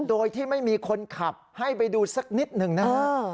โดยที่ไม่มีคนขับให้ไปดูสักนิดหนึ่งนะฮะ